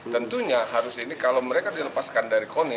tentunya harus ini kalau mereka dilepaskan dari koni